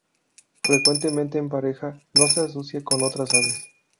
Frecuentemente en pareja, no se asocia con otras aves.